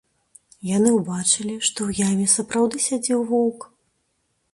Яны ўбачылі, што ў яме сапраўды сядзеў воўк.